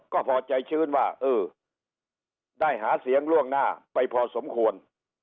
ก็พอใจชื้นว่าเออได้หาเสียงล่วงหน้าไปพอสมควร